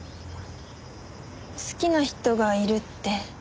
好きな人がいるって。